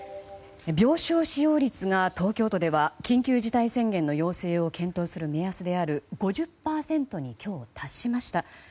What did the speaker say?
病床使用率が東京都では緊急事態宣言の要請を検討する目安である５０％に今日、達しました。